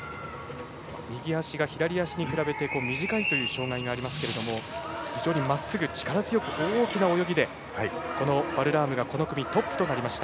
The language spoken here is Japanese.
右足が左足に比べ短いという障がいがありますけれども非常にまっすぐ力強く大きな泳ぎでバルラームがこの組トップとなりました。